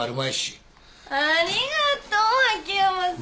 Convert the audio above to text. ありがとう秋山さん！